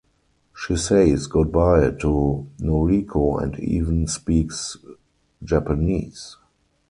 She says goodbye to Noriko and even speaks Japanese.